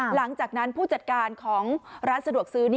หลังจากนั้นผู้จัดการของร้านสะดวกซื้อ